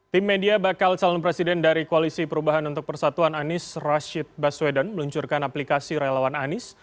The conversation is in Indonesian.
tim media bakal calon presiden dari koalisi perubahan untuk persatuan anis rashid baswedan meluncurkan aplikasi relawan anies